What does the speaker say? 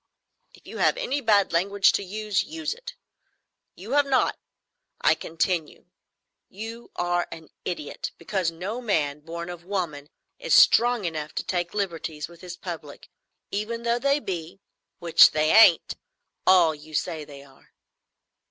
"If you have any bad language to use, use it. You have not. I continue. You are an idiot, because no man born of woman is strong enough to take liberties with his public, even though they be—which they ain't—all you say they are."